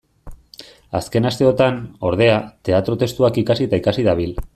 Azken asteotan, ordea, teatro-testuak ikasi eta ikasi dabil.